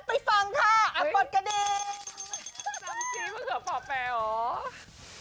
น้ำกี้มะเขือฝ่าแปลหรอ